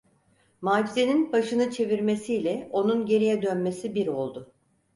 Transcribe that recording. Macide’nin başını çevirmesiyle onun geriye dönmesi bir oldu…